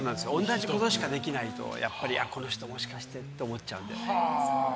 同じことしかできないとやっぱりこの人もしかしてと思っちゃうんで。